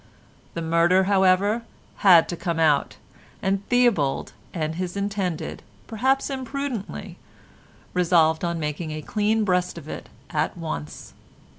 The murder, however, had to come out, and Theobald and his intended, perhaps imprudently, resolved on making a clean breast of it at once.